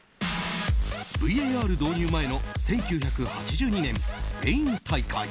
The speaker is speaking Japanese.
ＶＡＲ導入前の１９８２年スペイン大会。